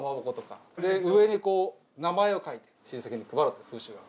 上にこう名前を書いて親戚に配るっていう風習がある。